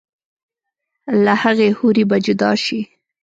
لۀ هغې حورې به جدا شي